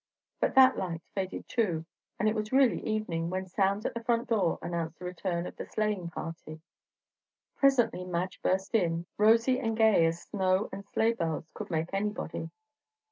But that light faded too; and it was really evening, when sounds at the front door announced the return of the sleighing party. Presently Madge burst in, rosy and gay as snow and sleigh bells could make anybody.